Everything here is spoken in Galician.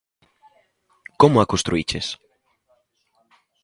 Como a construíches?